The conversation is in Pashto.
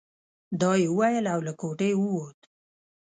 دا يې وويل او له کوټې ووت.